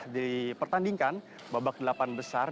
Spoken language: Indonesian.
dipertandingkan babak delapan besar